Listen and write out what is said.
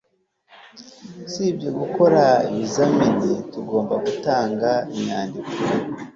usibye gukora ibizamini, tugomba gutanga inyandiko